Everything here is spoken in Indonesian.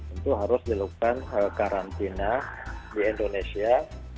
itu harus dilakukan karantina di indonesia